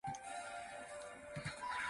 人為財死，鳥為食亡